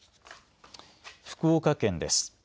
福岡県です。